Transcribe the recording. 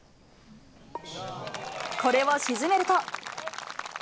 これを沈めると。